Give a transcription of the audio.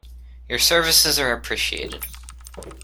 Your services are appreciated.